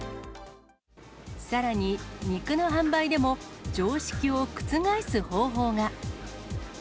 さらに肉の販売でも、常識を覆す方法が。